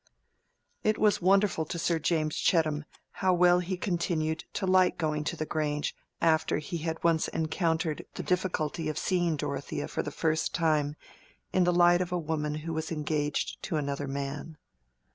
It was wonderful to Sir James Chettam how well he continued to like going to the Grange after he had once encountered the difficulty of seeing Dorothea for the first time in the light of a woman who was engaged to another man.